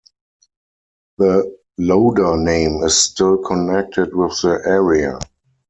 The Loder name is still connected with the area.